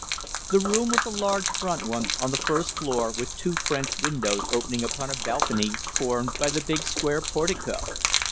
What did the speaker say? The room was a large front one on the first floor, with two French windows opening upon a balcony formed by the big square portico.